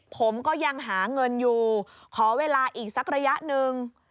ผมก็ยังหาเงินอยู่ขอเวลาอีกสักระยะหนึ่ง